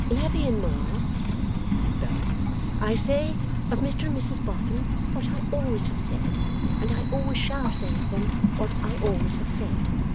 'Lavvy and Ma,' said Bella, 'I say of Mr and Mrs Boffin what I always have said; and I always shall say of them what I always have said.